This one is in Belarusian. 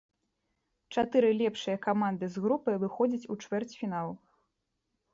Чатыры лепшыя каманды з групы выходзяць у чвэрцьфінал.